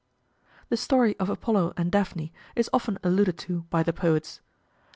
The story of Apollo and Daphne is often alluded to by the poets.